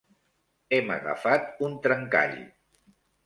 Hem agafat un trencall.